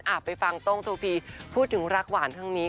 อาจไปฟังต้นตาบีพูดถึงรักหวานครั้งนี้